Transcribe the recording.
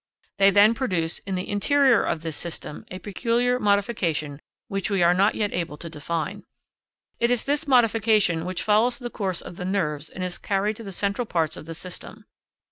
They then produce, in the interior of this system, a peculiar modification which we are not yet able to define. It is this modification which follows the course of the nerves and is carried to the central parts of the system.